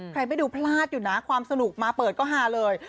ใครไม่ดูพลาดอยู่นะความสนุกมาเปิดก็ฮาเลย